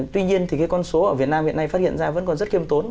tuy nhiên thì cái con số ở việt nam hiện nay phát hiện ra vẫn còn rất kiêm tốn